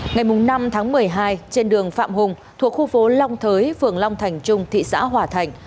ngày năm tháng một mươi hai trên đường phạm hùng thuộc khu phố long thới phường long thành trung thị xã hòa thành